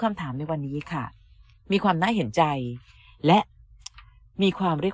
คำถามในวันนี้ค่ะมีความน่าเห็นใจและมีความลึก